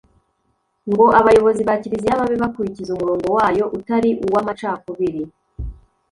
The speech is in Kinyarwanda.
ngo abayobozi ba kiliziya babe bakurikiza umurongo wayo utari uw'amacakubiri